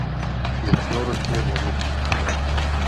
Je celoročně volně přístupná.